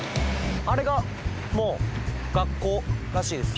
あれがもう学校らしいです